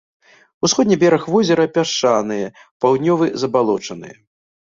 Усходні бераг возера пясчаныя, паўднёвы забалочаныя.